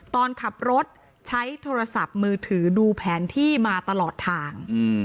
ตอนขับรถใช้โทรศัพท์มือถือดูแผนที่มาตลอดทาง